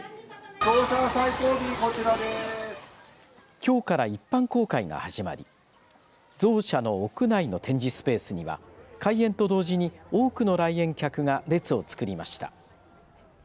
きょうから一般公開が始まりゾウ舎の屋内の展示スペースには開園と同時に多くの来園客が列をつくりました。